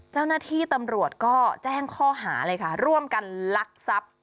เจ้าหน้าที่ตำรวจก็แจ้งข้อหาเลยค่ะร่วมกันลักทรัพย์